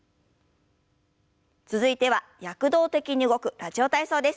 続いては躍動的に動く「ラジオ体操」です。